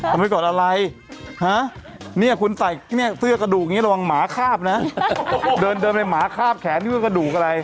ทำไปก่อนอะไรนี่คุณใส่เสื้อกระดูกอย่างนี้ระวังหมาคาบนะเดินในหมาคาบแขนเสื้อกระดูกอะไร